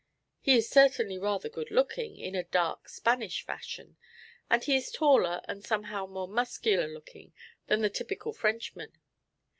He is certainly rather good looking, in a dark, Spanish fashion, and he is taller and somehow more muscular looking than the typical Frenchman.